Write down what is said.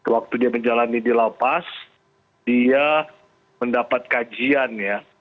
waktu dia menjalani dilapas dia mendapat kajian ya